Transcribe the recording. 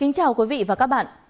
xin chào quý vị và các bạn